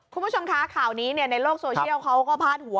คุณผู้ชมคะข่าวนี้ในโลกโซเชียลเขาก็พาดหัว